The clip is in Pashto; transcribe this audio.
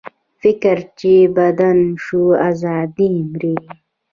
فکر چې بند شو، ازادي مري.